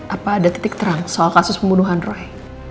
apa ada titik terang soal kasus pembunuhan roy